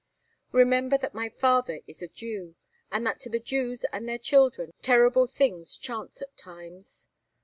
Remember that my father is a Jew, and that to the Jews and their children terrible things chance at times.